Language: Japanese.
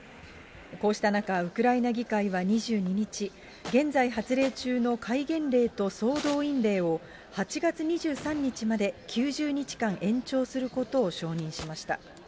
こうした中、ウクライナ議会は２２日、現在発令中の戒厳令と総動員令を８月２３日まで９０日間延長することを承認しました。